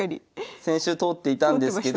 先週通っていたんですけど。